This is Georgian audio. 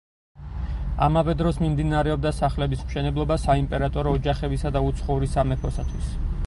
ამავე დროს, მიმდინარეობდა სახლების მშენებლობა საიმპერატორო ოჯახებისა და უცხოური სამეფოსათვის.